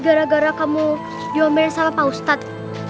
gara gara kamu nyobain sama pak ustadz